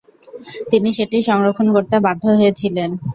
তিনি সেটি সংরক্ষণ করতে বাধ্য হয়ে ছিলেন।